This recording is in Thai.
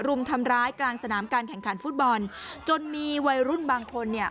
รุมทำร้ายกลางสนามการแข่งขันฟุตบอลจนมีวัยรุ่นบางคนเนี่ย